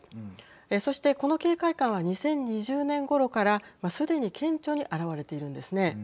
そしてこの警戒感は２０２０年ごろからすでに顕著に現れているんですね。